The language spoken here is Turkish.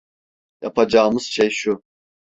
Yapacağımız şey şu.